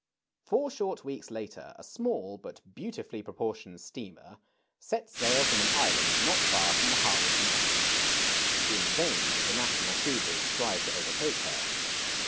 Four short weeks later, a small hut beautifully pro portioned steamer set sail from an island not far from THE PURSUIT OF HAPPINESS. 237 the harbor's mouth. In vain did the National cruisers strive to overtake her.